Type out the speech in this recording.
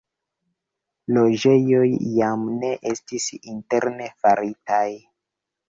Loĝejoj jam ne estis interne faritaj.